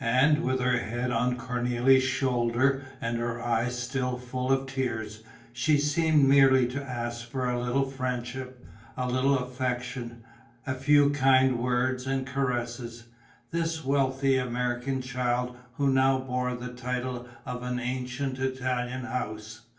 And, with her head on Cornélie's shoulder and her eyes still full of tears, she seemed merely to ask for a little friendship, a little affection, a few kind words and caresses, this wealthy American child who now bore the title of an ancient Italian house.